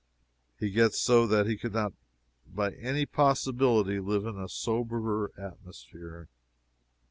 He gets so that he could not by any possibility live in a soberer atmosphere.